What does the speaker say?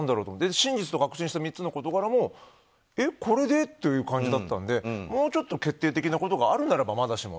真実と確信した３つの事柄もえっ、これで？という感じだったのでもうちょっと決定的なことがあるならまだしも。